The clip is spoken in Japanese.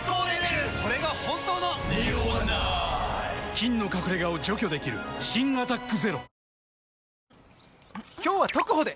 菌の隠れ家を除去できる新「アタックＺＥＲＯ」今日はトクホで！